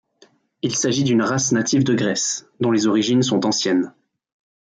Il s'agit d'une race native de Grèce, dont les origines sont anciennes.